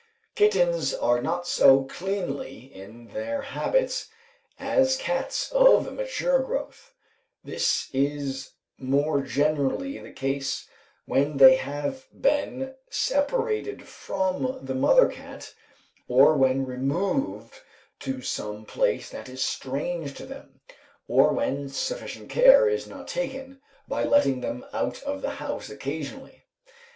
Kittens are not so cleanly in their habits as cats of a mature growth; this is more generally the case when they have been separated from the mother cat, or when removed to some place that is strange to them, or when sufficient care is not taken, by letting them out of the house occasionally.